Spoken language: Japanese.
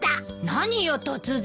何よ突然。